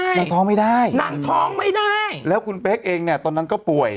นางท้องไม่ได้นางท้องไม่ได้แล้วคุณเป๊กเองเนี่ยตอนนั้นก็ป่วย